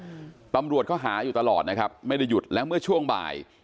อืมตำรวจเขาหาอยู่ตลอดนะครับไม่ได้หยุดแล้วเมื่อช่วงบ่าย